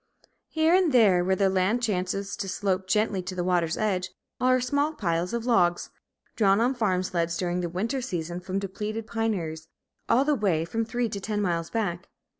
Here and there, where the land chances to slope gently to the water's edge, are small piles of logs, drawn on farm sleds during the winter season from depleted pineries, all the way from three to ten miles back.